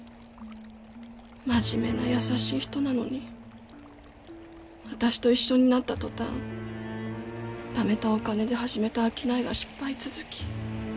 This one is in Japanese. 真面目な優しい人なのに私と一緒になった途端ためたお金で始めた商いが失敗続き。